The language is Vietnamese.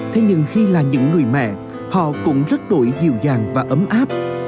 thế nhưng khi là những người mẹ họ cũng rất đổi dịu dàng và ấm áp